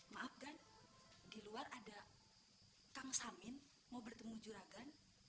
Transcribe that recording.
maaf kan di luar ada kang samin mau bertemu juragan